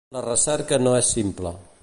La recerca no és simple.